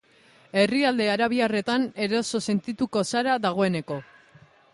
Herrialde arabiarretan eroso sentituko zara dagoeneko.